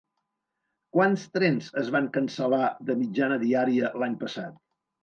Quants trens es van cancel·lar de mitjana diària l'any passat?